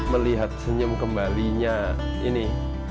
melihat senyum kembalinya ini